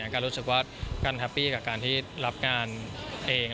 ก็รู้สึกว่าการแฮปปี้กับการที่รับงานเอง